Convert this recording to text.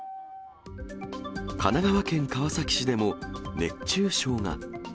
神奈川県川崎市でも、熱中症が。